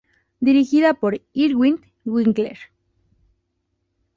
Dirigida por Irwin Winkler.